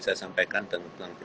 ya jadi sama dengan hal yang tadi